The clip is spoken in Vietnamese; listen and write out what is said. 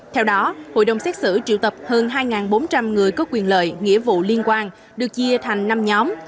theo đó hội đồng xét xử triệu tập hơn hai bốn trăm linh người có quyền lợi nghĩa vụ liên quan được chia thành năm nhóm